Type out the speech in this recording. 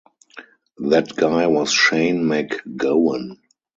That guy was Shane MacGowan.